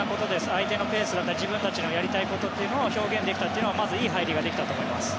相手のペースだったり自分たちのやりたいことを表現できたのはいい入りだと思います。